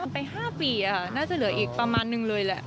ไป๕ปีน่าจะเหลืออีกประมาณนึงเลยแหละ